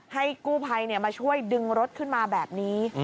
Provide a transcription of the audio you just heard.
ให้กู้ภัยมาช่วยดึงรถขึ้นมาแบบนี้